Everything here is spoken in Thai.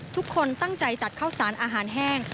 ทุกคนตั้งใจจัดข้าวสารอาหารแห้ง